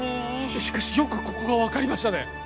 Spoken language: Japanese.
しかしよくここが分かりましたね